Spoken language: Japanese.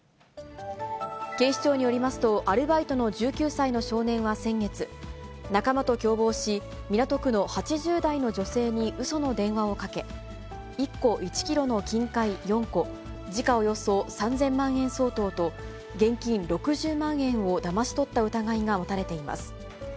警視庁によりますと、アルバイトの１９歳の少年は先月、仲間と共謀し、港区の８０代の女性にうその電話をかけ、１個１キロの金塊４個、時価およそ３０００万円相当と、現金６０万円をだまし取った疑いが持たれています。